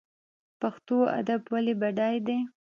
پښتو ادب ولې بډای دی؟